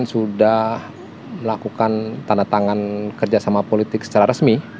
sudah melakukan tanda tangan kerjasama politik secara resmi